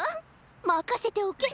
まかせておけ！